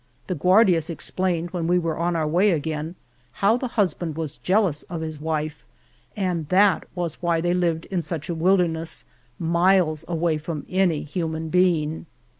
The Guardias explained, when we were on our way again, how the husband was jealous of his wife, and that was why they lived in such a wilderness, miles away from any human being.